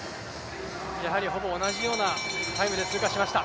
やはりほぼ同じようなタイムで通過しました。